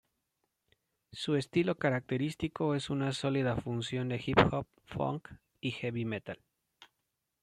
Su estilo característico es una sólida fusión de hip hop, funk, y heavy metal.